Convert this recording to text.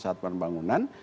dan royas primaya